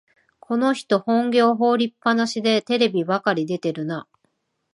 この人、本業を放りっぱなしでテレビばかり出てるな